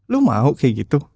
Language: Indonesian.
lu mau kayak gitu